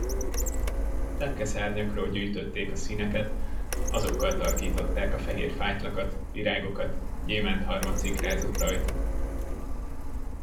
Lepkeszárnyakról gyűjtötték a színeket, azokkal tarkították a fehér fátylakat, virágokat, gyémántharmat szikrázott rajtuk.